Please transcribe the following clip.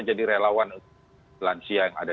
jadi relawan lansia yang ada